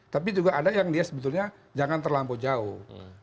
tapi juga ada yang dia sebetulnya jangan terlampau jauh